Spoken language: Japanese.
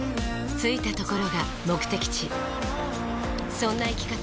着いたところが目的地そんな生き方